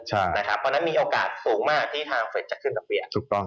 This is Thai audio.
เพราะฉะนั้นมีโอกาสสูงมากที่ทางเฟตจะขึ้นสังเวียน